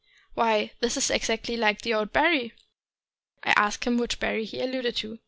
" (Why, it is exactly like the old Barry! ). I asked him which Barry he alluded to.